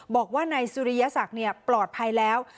บอกว่านายสุริยสักษ์เนี่ยปลอดภัยแล้ว